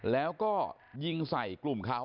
แล้วก็ยิงใส่กลุ่มเขา